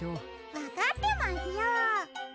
わかってますよ。